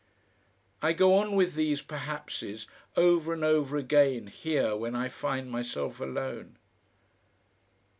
"I go on with these perhapses over and over again here when I find myself alone....